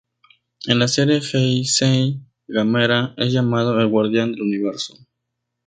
En la serie Heisei Gamera es llamado "el guardián del Universo".